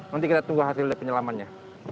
nanti kita tunggu hasil penyelamannya